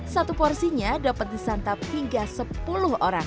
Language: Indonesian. satu porsinya dapat disantap hingga sepuluh orang